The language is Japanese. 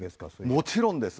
もちろんです。